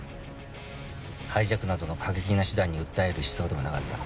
ハイジャックなどの過激な手段に訴える思想でもなかった。